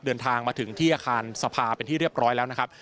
เดินทางมาถึงที่อาคารสภาเป็นที่เรียบร้อยแล้วนะครับ